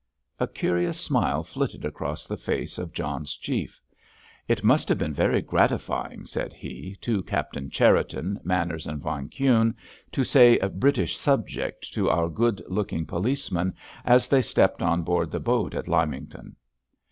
A curious smile flitted across the face of John's Chief. "It must have been very gratifying," said he, "to Captain Cherriton, Manners, and von Kuhne to say 'British subject' to our good looking policeman as they stepped on board the boat at Lymington.